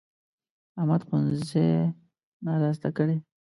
احمد ښوونځی ناراسته کړی.